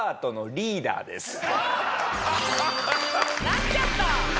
なっちゃった！